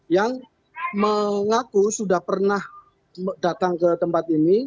yang mengaku sudah pernah datang ke tempat ini